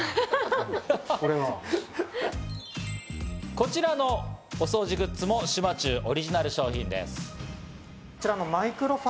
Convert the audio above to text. こちらのお掃除グッズも島忠オリジナル商品です。